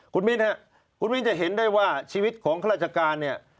คุณมิ้นครับคุณมิ้นจะเห็นได้ว่าชีวิตของข้าราชการเนี่ย